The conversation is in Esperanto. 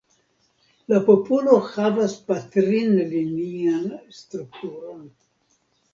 La popolo havas patrinlinian strukturon.